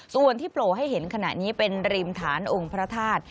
ส่วนที่โผล่ให้เห็นขณะนี้เป็นริมฐานองค์พระธาตุ